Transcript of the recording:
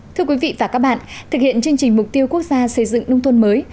thưa quý vị và các bạn thực hiện chương trình mục tiêu quốc gia xây dựng nông thôn mới